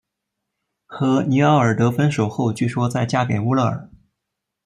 和尼奥尔德分手后据说再嫁给乌勒尔。